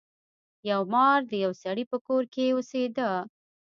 یو مار د یو سړي په کور کې اوسیده.